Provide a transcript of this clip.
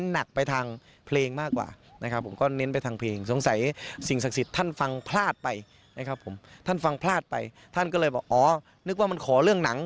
อ๋อนึกว่ามันขอเรื่องหนัง